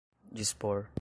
dispor